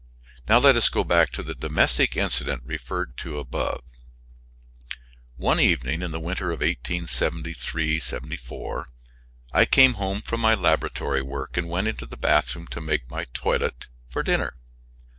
Now let us go back to the domestic incident referred to above. One evening in the winter of 1873 4 I came home from my laboratory work and went into the bathroom to make my toilet for dinner.